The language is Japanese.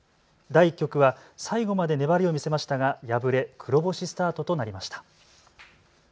第１局は最後まで粘りを見せましたが敗れ黒星スタートとなりました。